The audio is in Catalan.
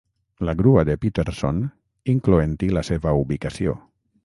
la grua de Peterson, incloent-hi la seva ubicació.